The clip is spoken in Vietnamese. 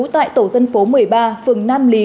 tại tổ dân phố một mươi ba phường nam lý